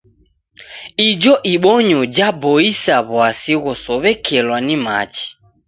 Ijo ibonyo jaboisa w'asi ghosow'ekelwa nim machi.